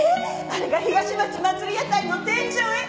あれが東町祭屋台の天井絵！